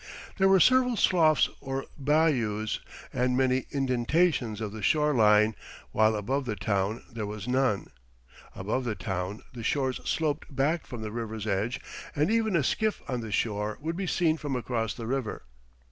There were several sloughs or bayous and many indentations of the shore line, while above the town there was none. Above the town the shores sloped back from the river's edge, and even a skiff on the shore could be seen from across the river.